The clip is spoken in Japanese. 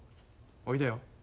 おいでよ。